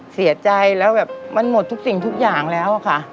เสียใจแล้วแบบมันหมดทุกสิ่งทุกอย่างแล้วอะค่ะ